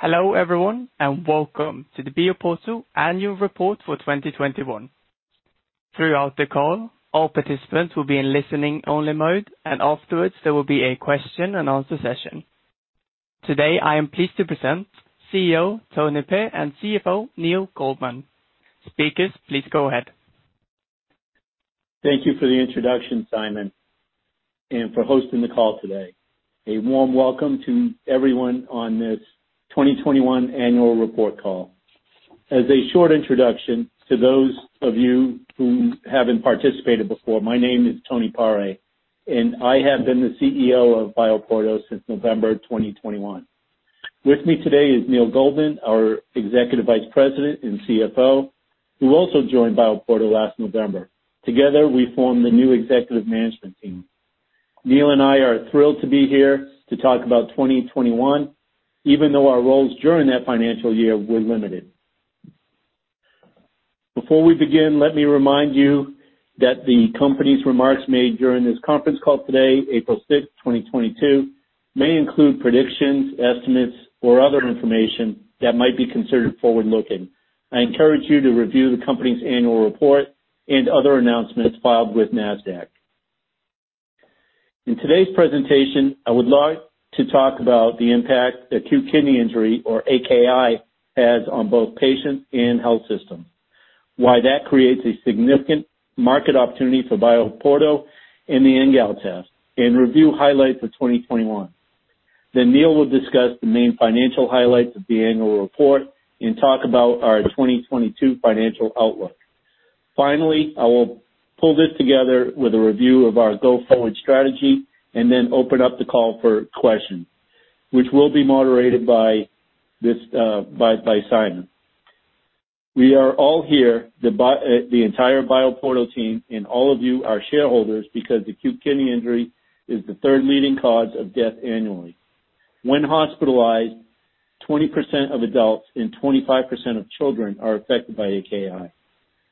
Hello everyone, and welcome to the BioPorto Annual Report for 2021. Throughout the call, all participants will be in listening only mode, and afterwards there will be a Q&A session. Today, I am pleased to present CEO Tony Parella and CFO Neil Goldman. Speakers, please go ahead. Thank you for the introduction, Simon, and for hosting the call today. A warm welcome to everyone on this 2021 annual report call. As a short introduction to those of you who haven't participated before, my name is Tony Parella, and I have been the CEO of BioPorto since November 2021. With me today is Neil Goldman, our Executive Vice President and CFO, who also joined BioPorto last November. Together, we form the new executive management team. Neil and I are thrilled to be here to talk about 2021, even though our roles during that financial year were limited. Before we begin, let me remind you that the company's remarks made during this conference call today, April 6, 2022, may include predictions, estimates, or other information that might be considered forward-looking. I encourage you to review the company's annual report and other announcements filed with Nasdaq. In today's presentation, I would like to talk about the impact acute kidney injury or AKI has on both patients and health systems, why that creates a significant market opportunity for BioPorto in the NGAL test, and review highlights of 2021. Neil will discuss the main financial highlights of the annual report and talk about our 2022 financial outlook. I will pull this together with a review of our go-forward strategy and then open up the call for questions, which will be moderated by Simon. We are all here, the entire BioPorto team and all of you, our shareholders, because acute kidney injury is the third leading cause of death annually. When hospitalized, 20% of adults and 25% of children are affected by AKI.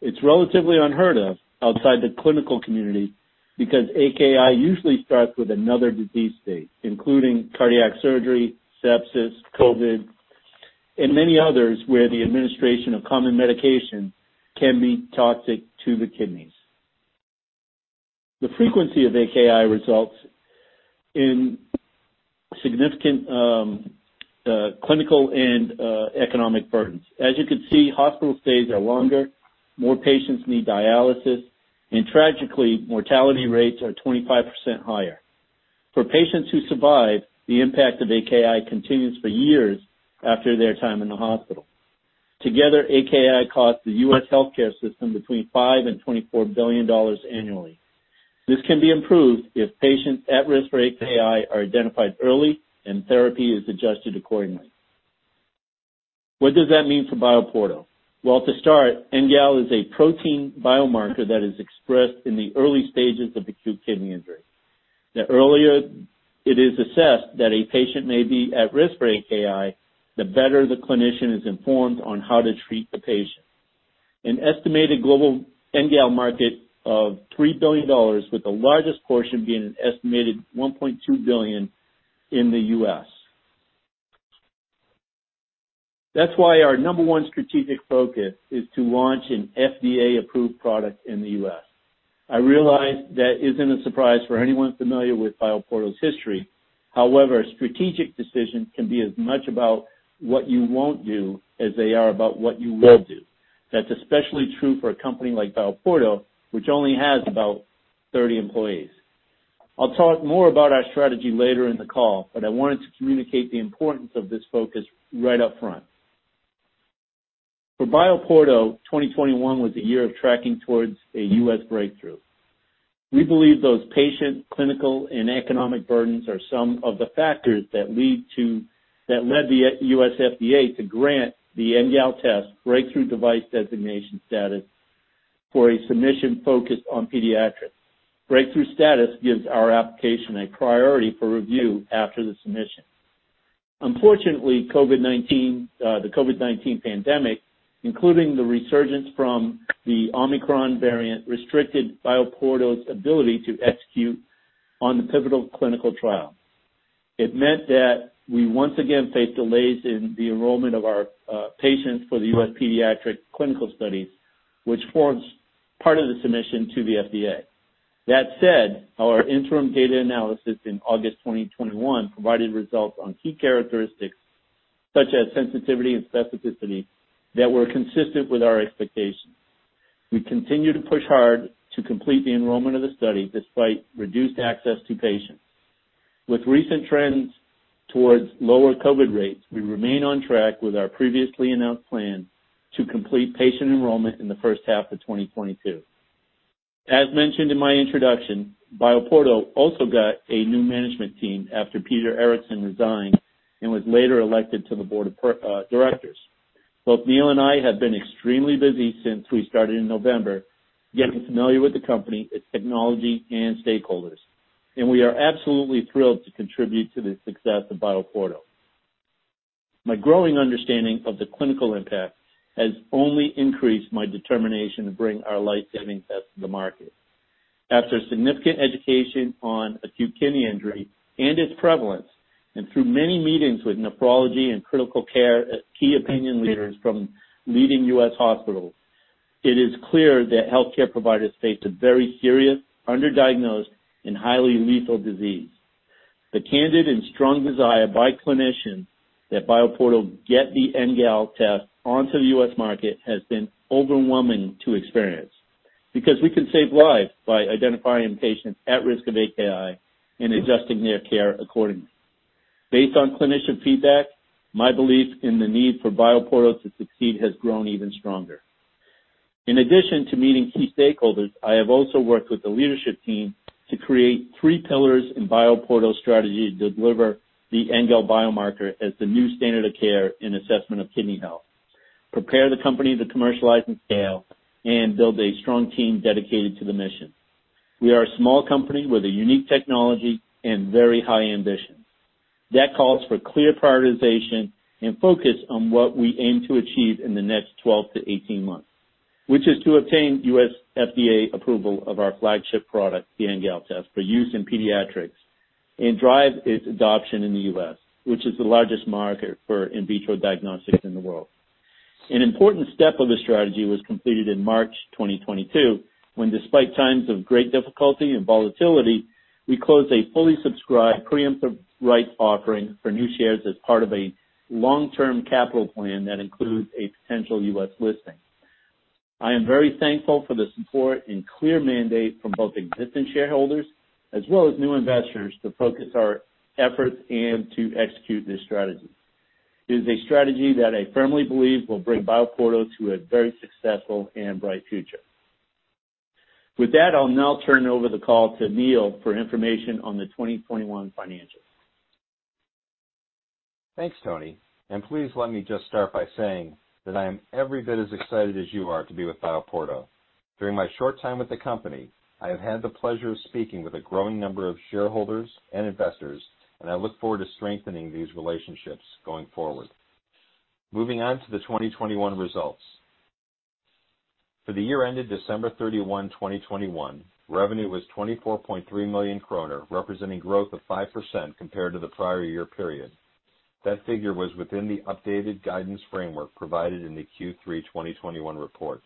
It's relatively unheard of outside the clinical community because AKI usually starts with another disease state, including cardiac surgery, sepsis, COVID, and many others, where the administration of common medication can be toxic to the kidneys. The frequency of AKI results in significant, clinical and economic burdens. As you can see, hospital stays are longer, more patients need dialysis, and tragically, mortality rates are 25% higher. For patients who survive, the impact of AKI continues for years after their time in the hospital. Together, AKI costs the U.S. healthcare system between $5 billion - $24 billion annually. This can be improved if patients at risk for AKI are identified early and therapy is adjusted accordingly. What does that mean for BioPorto? Well, to start, NGAL is a protein biomarker that is expressed in the early stages of acute kidney injury. The earlier it is assessed that a patient may be at risk for AKI, the better the clinician is informed on how to treat the patient. An estimated global NGAL market of $3 billion, with the largest portion being an estimated $1.2 billion in the U.S. That's why our No. 1 strategic focus is to launch an FDA-approved product in the U.S. I realize that isn't a surprise for anyone familiar with BioPorto's history. However, strategic decisions can be as much about what you won't do as they are about what you will do. That's especially true for a company like BioPorto, which only has about 30 employees. I'll talk more about our strategy later in the call, but I wanted to communicate the importance of this focus right up front. For BioPorto, 2021 was a year of tracking towards a U.S. breakthrough. We believe those patient, clinical, and economic burdens are some of the factors that led the U.S. FDA to grant the NGAL test Breakthrough Device designation status for a submission focused on pediatrics. Breakthrough status gives our application a priority for review after the submission. Unfortunately, COVID-19, the COVID-19 pandemic, including the resurgence from the Omicron variant, restricted BioPorto's ability to execute on the pivotal clinical trial. It meant that we once again faced delays in the enrollment of our patients for the U.S. pediatric clinical studies, which forms part of the submission to the FDA. That said, our interim data analysis in August 2021 provided results on key characteristics such as sensitivity and specificity that were consistent with our expectations. We continue to push hard to complete the enrollment of the study despite reduced access to patients. With recent trends towards lower COVID rates, we remain on track with our previously announced plan to complete patient enrollment in the first half of 2022. As mentioned in my introduction, BioPorto also got a new management team after Peter Mørch Eriksen resigned and was later elected to the board of directors. Both Neil and I have been extremely busy since we started in November, getting familiar with the company, its technology and stakeholders, and we are absolutely thrilled to contribute to the success of BioPorto. My growing understanding of the clinical impact has only increased my determination to bring our life-saving test to the market. After significant education on acute kidney injury and its prevalence, and through many meetings with nephrology and critical care key opinion leaders from leading U.S. hospitals, it is clear that healthcare providers face a very serious, underdiagnosed, and highly lethal disease. The candid and strong desire by clinicians that BioPorto get the NGAL test onto the U.S. market has been overwhelming to experience, because we can save lives by identifying patients at risk of AKI and adjusting their care accordingly. Based on clinician feedback, my belief in the need for BioPorto to succeed has grown even stronger. In addition to meeting key stakeholders, I have also worked with the leadership team to create three pillars in BioPorto's strategy to deliver the NGAL biomarker as the new standard of care in assessment of kidney health, prepare the company to commercialize and scale, and build a strong team dedicated to the mission. We are a small company with a unique technology and very high ambition. That calls for clear prioritization and focus on what we aim to achieve in the next 12 months-18 months, which is to obtain U.S. FDA approval of our flagship product, the NGAL Test, for use in pediatrics and drive its adoption in the U.S., which is the largest market for in vitro diagnostics in the world. An important step of the strategy was completed in March 2022, when despite times of great difficulty and volatility, we closed a fully subscribed preemptive rights offering for new shares as part of a long-term capital plan that includes a potential U.S. listing. I am very thankful for the support and clear mandate from both existing shareholders as well as new investors to focus our efforts and to execute this strategy. It is a strategy that I firmly believe will bring BioPorto to a very successful and bright future. With that, I'll now turn over the call to Neil for information on the 2021 financials. Thanks, Tony, and please let me just start by saying that I am every bit as excited as you are to be with BioPorto. During my short time with the company, I have had the pleasure of speaking with a growing number of shareholders and investors, and I look forward to strengthening these relationships going forward. Moving on to the 2021 results. For the year ended December 31, 2021, revenue was 24.3 million kroner, representing growth of 5% compared to the prior year period. That figure was within the updated guidance framework provided in the Q3 2021 report.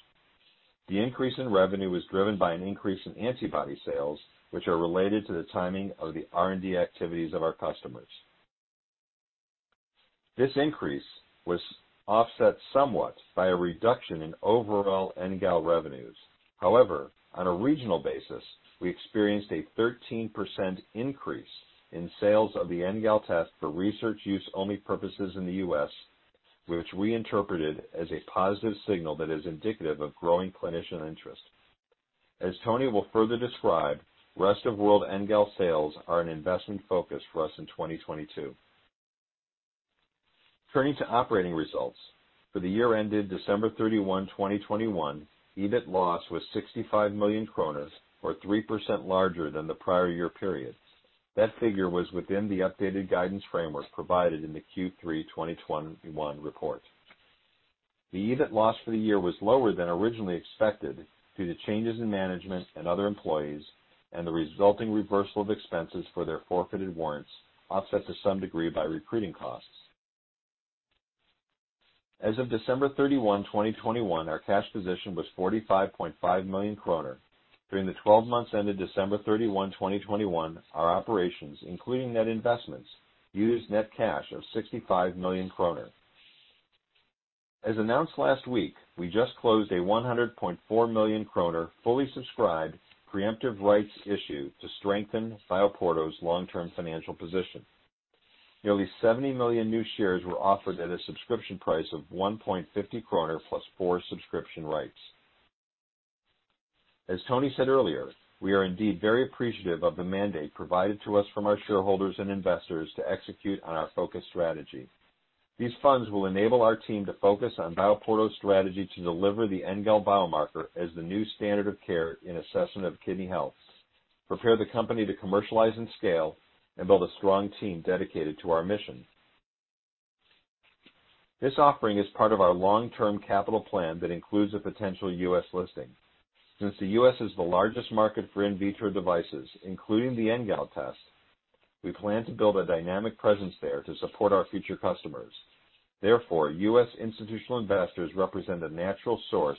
The increase in revenue was driven by an increase in antibody sales, which are related to the timing of the R&D activities of our customers. This increase was offset somewhat by a reduction in overall NGAL revenues. However, on a regional basis, we experienced a 13% increase in sales of the NGAL Test for research use only purposes in the U.S., which we interpreted as a positive signal that is indicative of growing clinician interest. As Tony will further describe, rest of world NGAL sales are an investment focus for us in 2022. Turning to operating results, for the year ended December 31, 2021, EBIT loss was 65 million kroner, or 3% larger than the prior year period. That figure was within the updated guidance framework provided in the Q3 2021 report. The EBIT loss for the year was lower than originally expected due to changes in management and other employees and the resulting reversal of expenses for their forfeited warrants, offset to some degree by recruiting costs. As of December 31, 2021, our cash position was 45.5 million kroner. During the 12 months ended December 31, 2021, our operations, including net investments, used net cash of 65 million kroner. As announced last week, we just closed a 100.4 million kroner, fully subscribed preemptive rights issue to strengthen BioPorto's long-term financial position. Nearly 70 million new shares were offered at a subscription price of 1.50 kroner +4 subscription rights. As Tony said earlier, we are indeed very appreciative of the mandate provided to us from our shareholders and investors to execute on our focused strategy. These funds will enable our team to focus on BioPorto's strategy to deliver the NGAL biomarker as the new standard of care in assessment of kidney health, prepare the company to commercialize and scale, and build a strong team dedicated to our mission. This offering is part of our long-term capital plan that includes a potential U.S. listing. Since the U.S. is the largest market for in vitro diagnostics, including the NGAL test, we plan to build a dynamic presence there to support our future customers. Therefore, U.S. institutional investors represent a natural source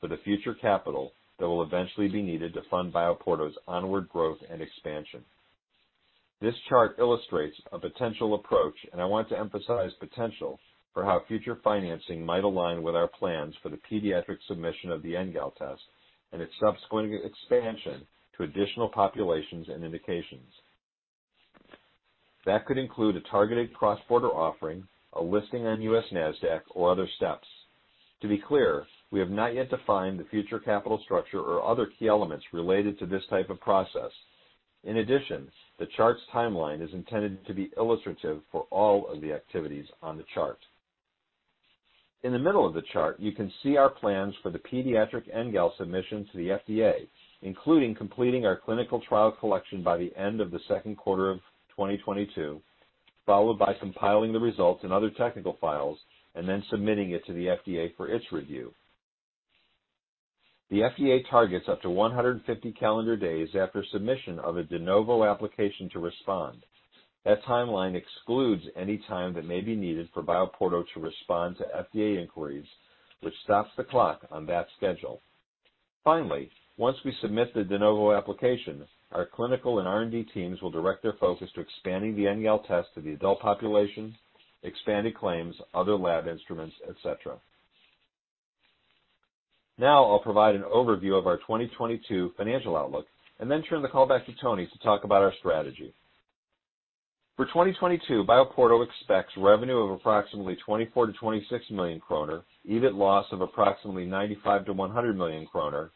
for the future capital that will eventually be needed to fund BioPorto's onward growth and expansion. This chart illustrates a potential approach, and I want to emphasize potential, for how future financing might align with our plans for the pediatric submission of the NGAL test and its subsequent expansion to additional populations and indications. That could include a targeted cross-border offering, a listing on U.S. Nasdaq, or other steps. To be clear, we have not yet defined the future capital structure or other key elements related to this type of process. In addition, the chart's timeline is intended to be illustrative for all of the activities on the chart. In the middle of the chart, you can see our plans for the pediatric NGAL submission to the FDA, including completing our clinical trial collection by the end of the second quarter of 2022, followed by compiling the results in other technical files and then submitting it to the FDA for its review. The FDA targets up to 150 calendar days after submission of a De Novo application to respond. That timeline excludes any time that may be needed for BioPorto to respond to FDA inquiries, which stops the clock on that schedule. Finally, once we submit the De Novo application, our clinical and R&D teams will direct their focus to expanding the NGAL test to the adult population, expanded claims, other lab instruments, et cetera. Now, I'll provide an overview of our 2022 financial outlook and then turn the call back to Tony to talk about our strategy. For 2022, BioPorto expects revenue of approximately 24 million-26 million kroner, EBIT loss of approximately 95 million-100 million kroner,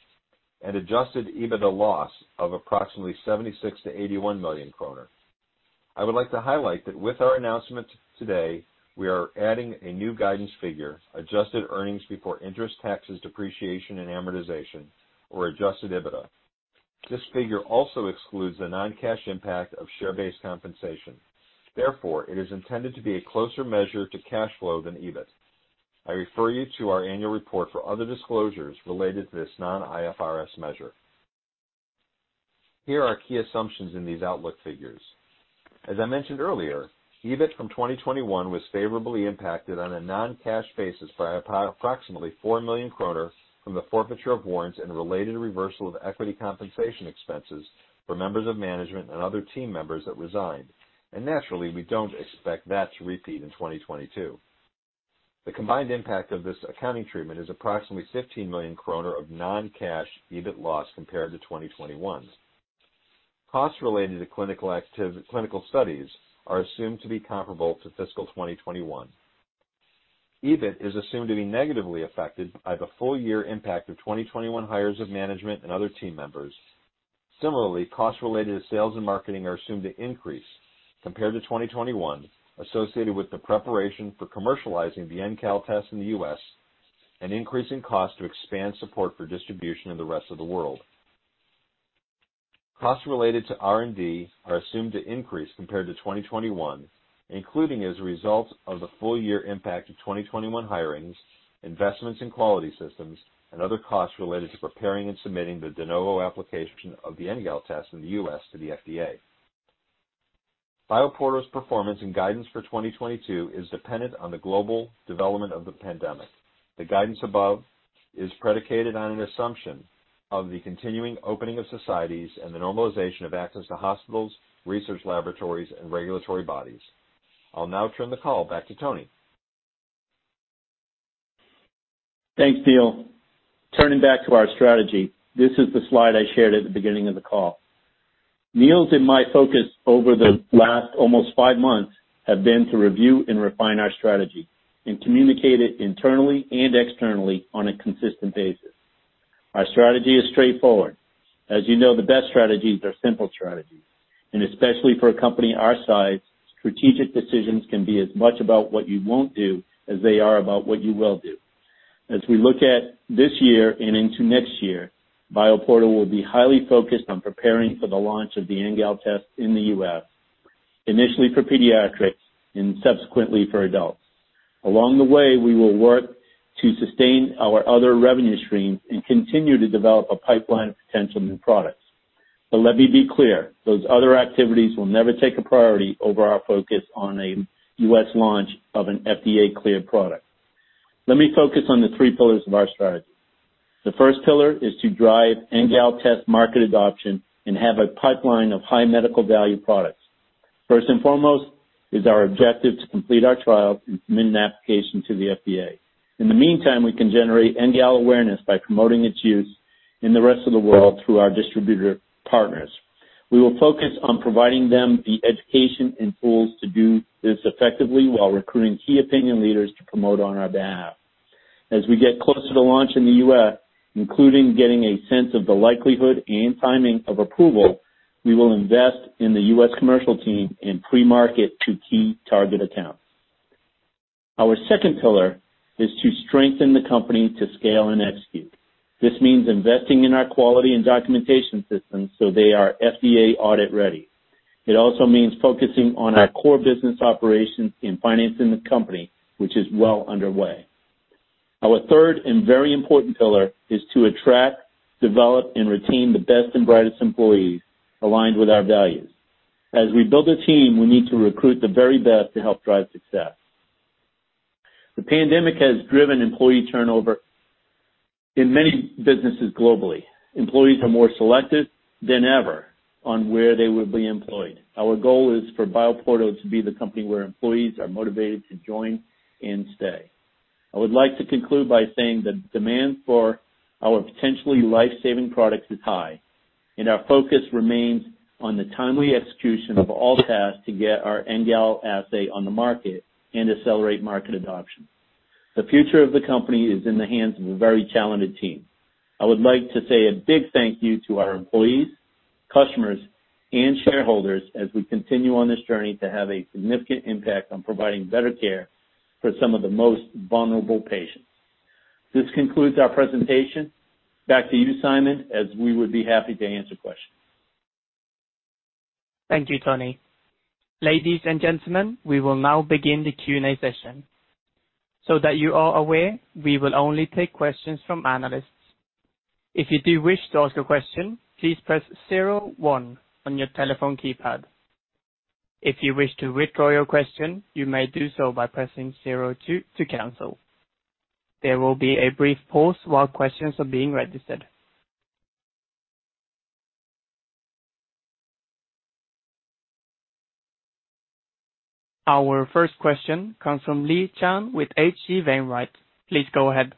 and Adjusted EBITDA loss of approximately 76 million-81 million kroner. I would like to highlight that with our announcement today, we are adding a new guidance figure, adjusted earnings before interest, taxes, depreciation, and amortization, or Adjusted EBITDA. This figure also excludes the non-cash impact of share-based compensation. Therefore, it is intended to be a closer measure to cash flow than EBIT. I refer you to our annual report for other disclosures related to this non-IFRS measure. Here are key assumptions in these outlook figures. As I mentioned earlier, EBIT from 2021 was favorably impacted on a non-cash basis by approximately 4 million kroner from the forfeiture of warrants and related reversal of equity compensation expenses for members of management and other team members that resigned. Naturally, we don't expect that to repeat in 2022. The combined impact of this accounting treatment is approximately 15 million kroner of non-cash EBIT loss compared to 2021. Costs related to clinical studies are assumed to be comparable to fiscal 2021. EBIT is assumed to be negatively affected by the full year impact of 2021 hires of management and other team members. Similarly, costs related to sales and marketing are assumed to increase compared to 2021, associated with the preparation for commercializing the NGAL Test in the U.S. and increasing cost to expand support for distribution in the rest of the world. Costs related to R&D are assumed to increase compared to 2021, including as a result of the full year impact of 2021 hirings, investments in quality systems, and other costs related to preparing and submitting the De Novo application of the NGAL test in the U.S. to the FDA. BioPorto's performance and guidance for 2022 is dependent on the global development of the pandemic. The guidance above is predicated on an assumption of the continuing opening of societies and the normalization of access to hospitals, research laboratories, and regulatory bodies. I'll now turn the call back to Tony. Thanks, Neil. Turning back to our strategy, this is the slide I shared at the beginning of the call. Neil's and my focus over the last almost five months have been to review and refine our strategy and communicate it internally and externally on a consistent basis. Our strategy is straightforward. As you know, the best strategies are simple strategies, and especially for a company our size, strategic decisions can be as much about what you won't do as they are about what you will do. As we look at this year and into next year, BioPorto will be highly focused on preparing for the launch of the NGAL test in the U.S., initially for pediatrics and subsequently for adults. Along the way, we will work to sustain our other revenue streams and continue to develop a pipeline of potential new products. Let me be clear, those other activities will never take a priority over our focus on a U.S. launch of an FDA-cleared product. Let me focus on the three pillars of our strategy. The first pillar is to drive NGAL test market adoption and have a pipeline of high medical value products. First and foremost is our objective to complete our trial and submit an application to the FDA. In the meantime, we can generate NGAL awareness by promoting its use in the rest of the world through our distributor partners. We will focus on providing them the education and tools to do this effectively while recruiting key opinion leaders to promote on our behalf. As we get closer to launch in the U.S., including getting a sense of the likelihood and timing of approval, we will invest in the U.S. commercial team in pre-market to key target accounts. Our second pillar is to strengthen the company to scale and execute. This means investing in our quality and documentation systems so they are FDA audit-ready. It also means focusing on our core business operations in financing the company, which is well underway. Our third and very important pillar is to attract, develop, and retain the best and brightest employees aligned with our values. As we build a team, we need to recruit the very best to help drive success. The pandemic has driven employee turnover in many businesses globally. Employees are more selective than ever on where they would be employed. Our goal is for BioPorto to be the company where employees are motivated to join and stay. I would like to conclude by saying the demand for our potentially life-saving products is high, and our focus remains on the timely execution of all tasks to get our NGAL assay on the market and accelerate market adoption. The future of the company is in the hands of a very talented team. I would like to say a big thank you to our employees, customers, and shareholders as we continue on this journey to have a significant impact on providing better care for some of the most vulnerable patients. This concludes our presentation. Back to you, Simon, as we would be happy to answer questions. Thank you, Tony. Ladies and gentlemen, we will now begin the Q&A session. That you are aware, we will only take questions from analysts. If you do wish to ask a question, please press zero one on your telephone keypad. If you wish to withdraw your question, you may do so by pressing zero two to cancel. There will be a brief pause while questions are being registered. Our first question comes from Yi Chen with H.C. Wainwright. Please go ahead.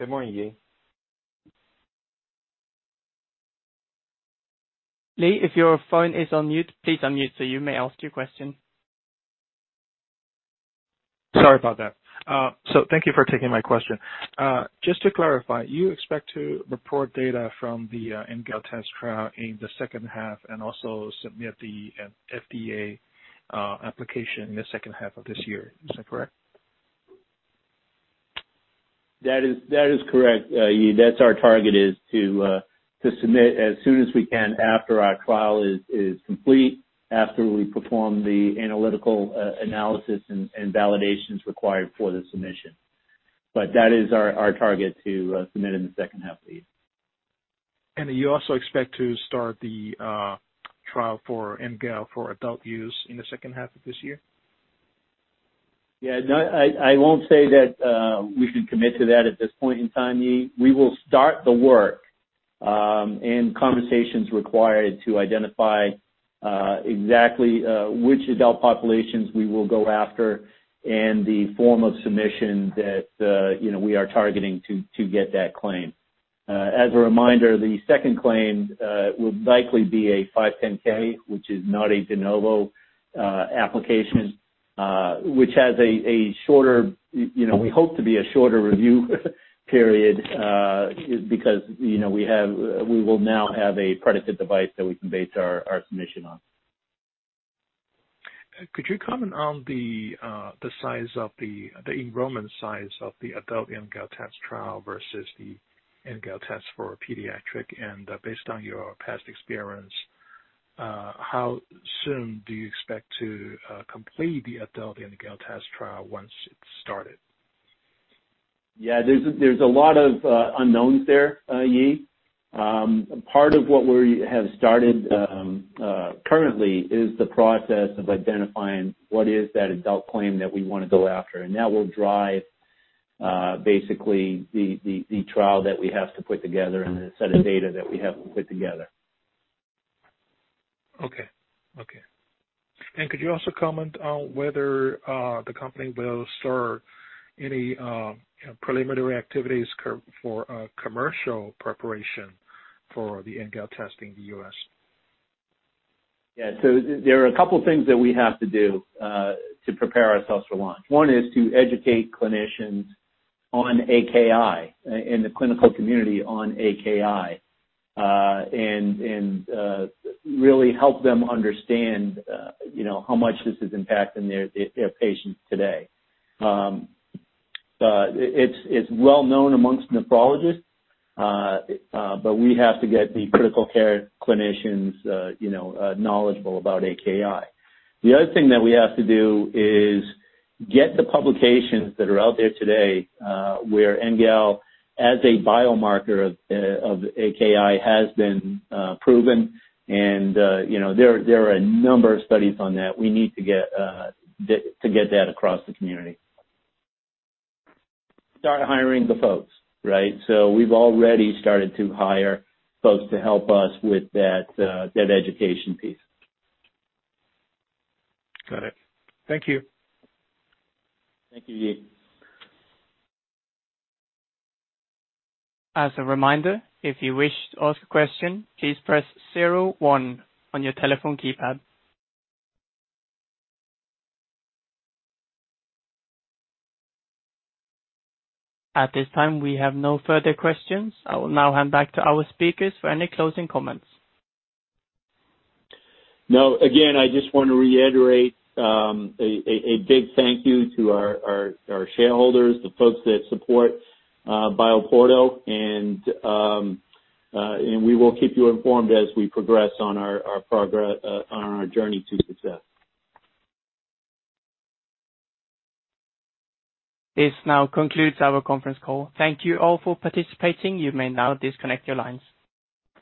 Good morning, Yi. Yi, if your phone is on mute, please unmute so you may ask your question. Sorry about that. Thank you for taking my question. Just to clarify, you expect to report data from the NGAL Test trial in the second half and also submit the FDA application in the second half of this year. Is that correct? That is correct, Yi. That's our target is to submit as soon as we can, after our trial is complete, after we perform the analytical analysis and validations required for the submission. That is our target to submit in the second half of the year. You also expect to start the trial for NGAL for adult use in the second half of this year? Yeah, no, I won't say that we can commit to that at this point in time, Yi. We will start the work and conversations required to identify exactly which adult populations we will go after and the form of submission that you know we are targeting to get that claim. As a reminder, the second claim will likely be a 510(k), which is not a De Novo application, which has a shorter, you know, we hope to be a shorter review period because you know we will now have a predicate device that we can base our submission on. Could you comment on the enrollment size of the adult NGAL Test trial versus the NGAL Test for pediatric? Based on your past experience, how soon do you expect to complete the adult NGAL Test trial once it's started? Yeah, there's a lot of unknowns there, Yi. Part of what we have started currently is the process of identifying what is that adult claim that we wanna go after, and that will drive basically the trial that we have to put together and the set of data that we have to put together. Okay. Could you also comment on whether the company will start any, you know, preliminary activities for commercial preparation for the NGAL Test in the U.S.? Yeah. There are a couple things that we have to do to prepare ourselves for launch. One is to educate clinicians on AKI and the clinical community on AKI and really help them understand you know how much this is impacting their patients today. It's well known among nephrologists but we have to get the critical care clinicians you know knowledgeable about AKI. The other thing that we have to do is get the publications that are out there today where NGAL as a biomarker of AKI has been proven and you know there are a number of studies on that. We need to get that across the community. Start hiring the folks, right? We've already started to hire folks to help us with that education piece. Got it. Thank you. Thank you, Yi. As a reminder, if you wish to ask a question, please press zero one on your telephone keypad. At this time, we have no further questions. I will now hand back to our speakers for any closing comments. No. Again, I just want to reiterate a big thank you to our shareholders, the folks that support BioPorto. We will keep you informed as we progress on our progress on our journey to success. This now concludes our conference call. Thank you all for participating. You may now disconnect your lines.